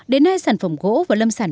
đến nay sản phẩm gỗ và lâm sản